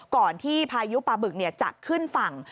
ก่อนที่พายุปลาบึกจะขึ้นฝั่ง